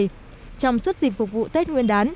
trong suốt dịp phục vụ tết nguyên đán